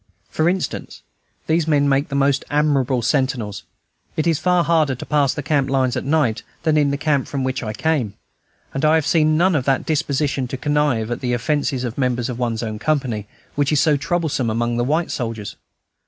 For instance, these men make the most admirable sentinels. It is far harder to pass the camp lines at night than in the camp from which I came; and I have seen none of that disposition to connive at the offences of members of one's own company which is so troublesome among white soldiers.